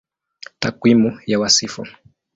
Takwimu ya Wasifu